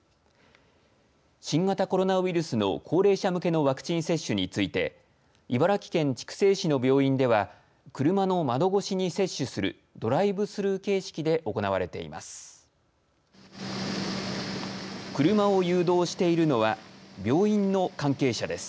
新型コロナウイルスの高齢者向けのワクチン接種について茨城県筑西市の病院では車の窓越しに接種するドライブスルー形式で行われています。